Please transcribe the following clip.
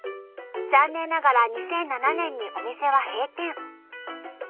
残念ながら２００７年にお店は閉店。